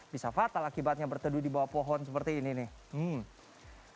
bisa fatal akibatnya berteduh di bawah pohon seperti ini nih